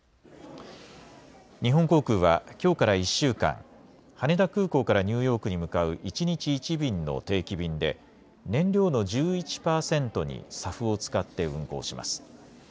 日本航空はきょうから１週間、羽田空港からニューヨークに向かう一日１便の定期便で燃料の１１％にＳＡＦを使って運航します。